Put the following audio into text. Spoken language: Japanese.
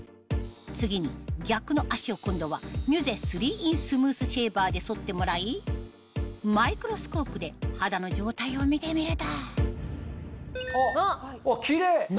次に逆の脚を今度はミュゼ３ｉｎスムースシェーバーで剃ってもらいマイクロスコープで肌の状態を見てみるとキレイ！